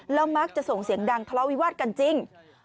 แล้วมักจะส่งเสียงดังทะเลาวิวาสกันจริง